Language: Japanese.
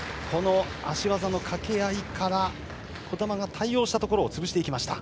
足技のかけ合いから児玉が対応したところを潰していきました。